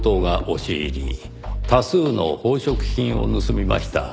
多数の宝飾品を盗みました。